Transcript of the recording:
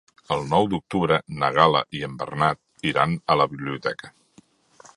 El nou d'octubre na Gal·la i en Bernat iran a la biblioteca.